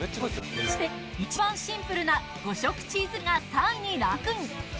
そしていちばんシンプルな５色チーズピザが３位にランクイン。